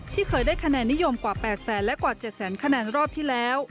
เคยได้คะแนนนิยมกว่า๘แสนและกว่า๗แสนคะแนนรอบที่แล้ว